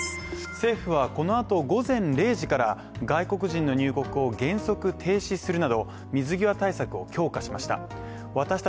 政府はこのあと午前０時から外国人の入国を原則停止するなど水際対策を強化しました